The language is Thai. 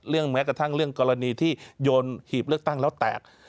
แม้กระทั่งเรื่องกรณีที่โยนหีบเลือกตั้งแล้วแตก